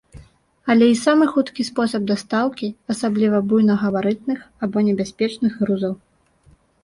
Але і самы хуткі спосаб дастаўкі, асабліва буйнагабарытных або небяспечных грузаў.